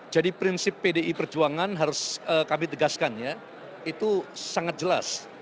jadi prinsip pdi perjuangan harus kami tegaskan ya itu sangat jelas